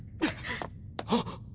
あっ！